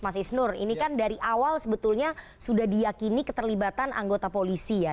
mas isnur ini kan dari awal sebetulnya sudah diakini keterlibatan anggota polisi ya